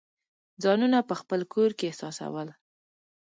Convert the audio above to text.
ځانونه په خپل کور کې احساسول.